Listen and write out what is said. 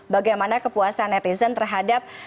bagaimana kepuasan netizen terhadap